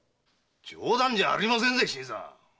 冗談じゃありませんぜ！